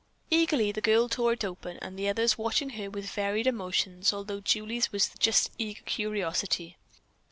Eagerly the girl tore it open, the others watching her with varied emotions, although Julie's was just eager curiosity.